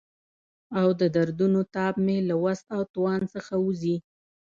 او د دردونو تاب مې له وس او توان څخه وځي.